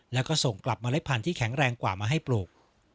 แล้วก็ส่งกลับเมล็ดพันธุ์ที่แข็งแรงกว่ามาให้ปลูก